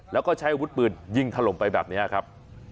แล้วก็ใช้อาวุธปืนยิงถล่มไปแบบนี้ครับ